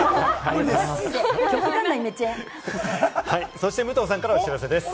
そして武藤さんからお知らせです。